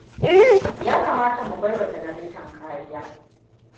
Ya kamata mu baiwa janareton kariya.